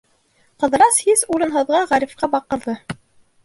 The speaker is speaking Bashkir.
Ҡыҙырас һис урынһыҙға Ғарифҡа баҡырҙы: